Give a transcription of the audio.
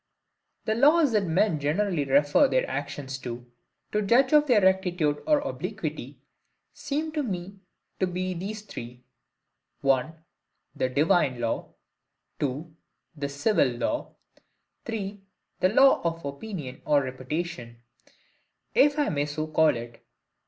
The laws that men generally refer their actions to, to judge of their rectitude or obliquity, seem to me to be these three:—1. The DIVINE law. 2. The CIVIL law. 3. The law of OPINION or REPUTATION, if I may so call it.